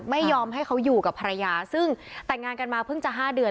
ไม่ยอมให้เขาอยู่กับภรรยาซึ่งแต่งงานกันมาเพิ่งจะ๕เดือน